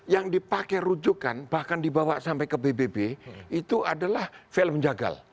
yang dipakai rujukan bahkan dibawa sampai ke pbb itu adalah film jagal